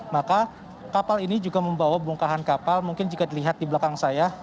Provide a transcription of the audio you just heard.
maka kapal ini juga membawa bongkahan kapal mungkin jika dilihat di belakang saya